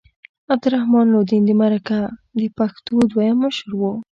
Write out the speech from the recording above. عبدالرحمن لودین د مرکه د پښتو دویم مشر و.